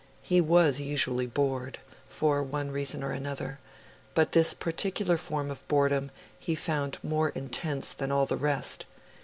He was usually bored for one reason or another; but this particular form of boredom he found more intense than all the rest.